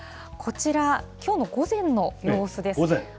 こちら、きょうの午前の様子です。